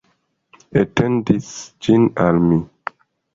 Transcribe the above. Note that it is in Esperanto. Etendis ĝin al mi.